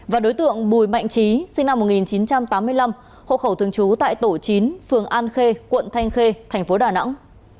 và đối tượng bùi mạnh trí sinh năm một nghìn chín trăm tám mươi năm hộ khẩu thường trú tại tổ chín phường an khê quận thanh khê thành phố đà nẵng